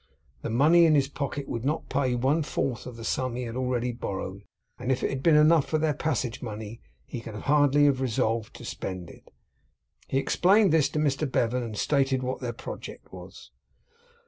The money in his pocket would not pay one fourth of the sum he had already borrowed, and if it had been enough for their passage money, he could hardly have resolved to spend it. He explained this to Mr Bevan, and stated what their project was.